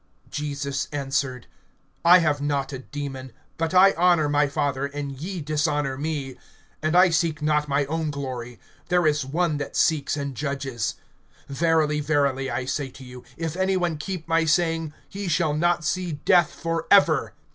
(49)Jesus answered: I have not a demon; but I honor my Father, and ye dishonor me. (50)And I seek not my own glory; there is one that seeks, and judges. (51)Verily, verily, I say to you, if any one keep my saying, he shall not see death, forever.